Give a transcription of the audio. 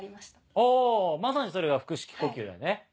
あまさにそれが腹式呼吸だよね。